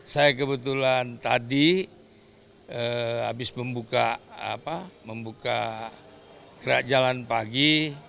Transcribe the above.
saya kebetulan tadi habis membuka gerak jalan pagi